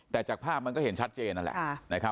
แต่จากภาพมันก็เห็นชัดเจนนั่นแหละ